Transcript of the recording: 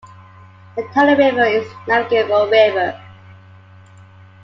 The Tano River is a navigable river.